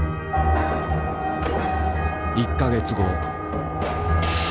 １か月後。